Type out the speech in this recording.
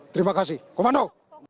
terima kasih komando